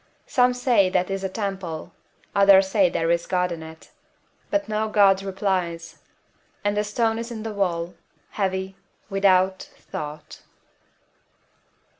Some say that is a temple, others that there is a God in it. But no God replies. And the stone is in the wall, heavy, without thought."